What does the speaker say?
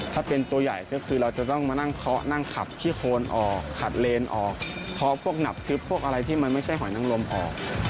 ถ้าเป็นตัวใหญ่ก็คือเราจะต้องมานั่งเคาะนั่งขับขี้โคนออกขัดเลนออกเคาะพวกหนับทึบพวกอะไรที่มันไม่ใช่หอยนังลมออก